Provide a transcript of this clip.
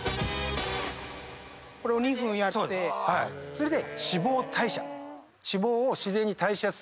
それで。